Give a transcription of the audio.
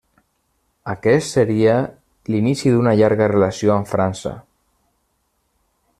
Aquest seria l'inici d'una llarga relació amb França.